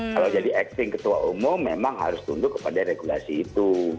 kalau jadi acting ketua umum memang harus tunduk kepada regulasi itu